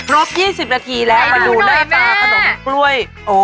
๒๐นาทีแล้วมาดูหน้าตาขนมกล้วย